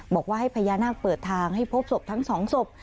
บอกว่าให้พญานาคเปิดทางให้พบศพทั้งสองศพ